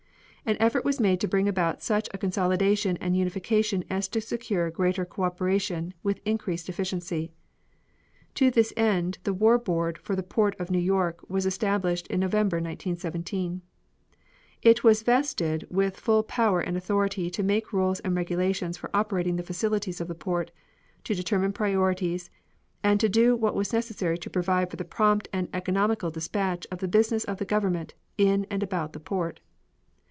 An effort was made to bring about such a consolidation and unification as to secure greater co operation with increased efficiency. To this end the War Board for the Port of New York was established in November, 1917. It was vested with full power and authority to make rules and regulations for operating the facilities of the port, to determine priorities, and to do what was necessary to provide for the prompt and economical dispatch of the business of the government in and about the port.